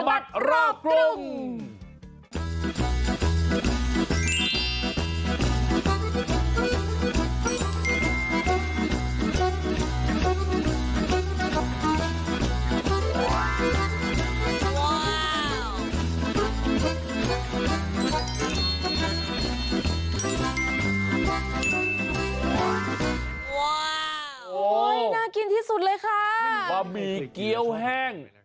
บะหมี่เกี้ยวแห้ง